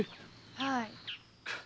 はい。